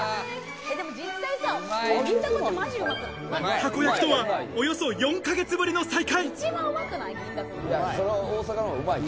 たこ焼きとは、およそ４ヶ月ぶりの再会。